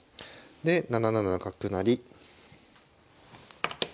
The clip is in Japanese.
で７七角成。